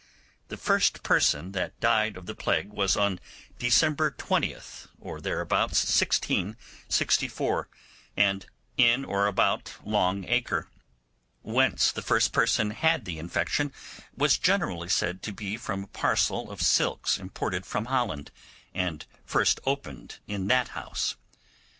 the first person that died of the plague was on December 20, or thereabouts, 1664, and in or about long Acre; whence the first person had the infection was generally said to be from a parcel of silks imported from Holland, and first opened in that house.